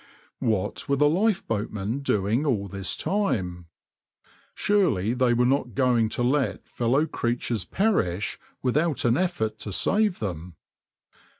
\par What were the lifeboatmen doing all this time? Surely they were not going to let fellow creatures perish without an effort to save them?